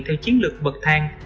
theo chiến lược bật thang